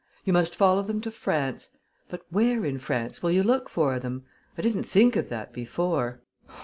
You must follow them to France but where in France will you look for them? I didn't think of that before.